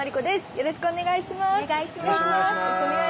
よろしくお願いします。